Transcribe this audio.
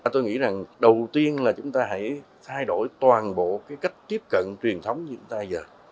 tôi nghĩ rằng đầu tiên là chúng ta hãy thay đổi toàn bộ cái cách tiếp cận truyền thống như chúng ta giờ